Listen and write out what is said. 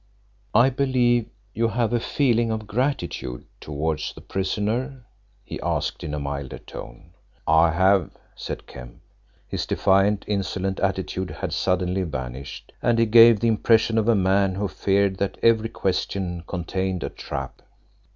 "I believe you have a feeling of gratitude towards the prisoner?" he asked, in a milder tone. "I have," said Kemp. His defiant, insolent attitude had suddenly vanished, and he gave the impression of a man who feared that every question contained a trap.